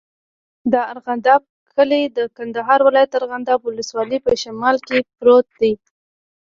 د ارغنداب کلی د کندهار ولایت، ارغنداب ولسوالي په شمال کې پروت دی.